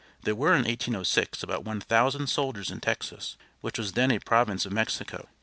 There were in 1806 about one thousand soldiers in Texas, which was then a province of Mexico.